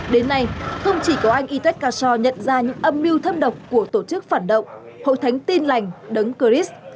đến nay không chỉ có anh itwet kassor nhận ra những âm mưu thâm độc của tổ chức phản động hội thánh tin lành đấng chris